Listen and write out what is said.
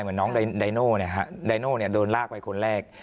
เหมือนน้องไดโน่เนี่ยโดนลากไปคนแรก